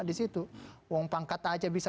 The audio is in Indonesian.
di situ uang pangkat aja bisa